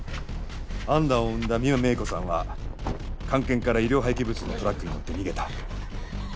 アンナを産んだ美馬芽衣子さんは菅研から医療廃棄物のトラックに乗って逃げた。